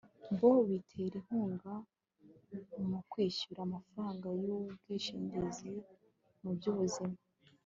bo bitera inkunga mu kwishyura amafaranga y'ubwishingizi mu by'ubuzima